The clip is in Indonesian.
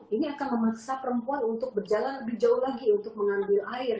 ini akan memaksa perempuan untuk berjalan lebih jauh lagi untuk mengambil air